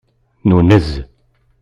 Nunez.